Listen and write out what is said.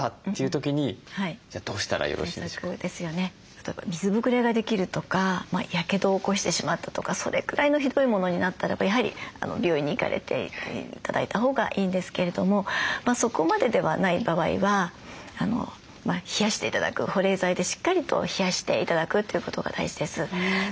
例えば水ぶくれができるとかやけどを起こしてしまったとかそれくらいのひどいものになったらばやはり病院に行かれて頂いたほうがいいんですけれどもそこまでではない場合は冷やして頂く保冷材でしっかりと冷やして頂くということが大事です。